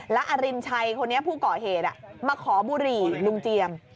แล้วอรินชัยคนนี้ผู้ก่อเหตุมาขอบุหรี่ลุงเจียม